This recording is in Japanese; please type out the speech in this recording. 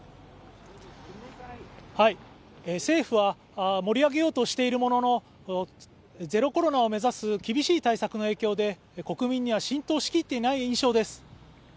政府は盛り上げようとしているもの、ゼロコロナを目指す厳しい対策の影響で国民には浸透しきっていない印象です。